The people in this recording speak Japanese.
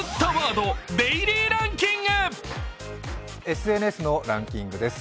ＳＮＳのランキングです。